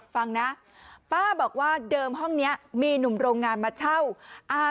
ฟังนะป้าบอกว่าเดิมห้องนี้มีหนุ่มโรงงานมาเช่าอ่า